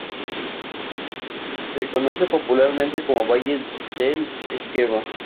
Se conoce popularmente como Valle del Esgueva.